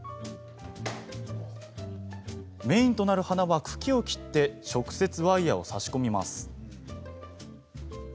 メインとなる花は茎を切って直接ワイヤーを差し込みます。